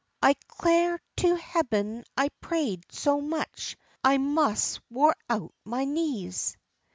I 'clar to heaben I pray'd so much I mos' wore out ma knees.